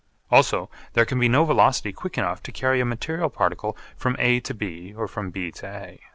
Also there can be no velocity quick enough to carry a material particle from A to B or from B to A.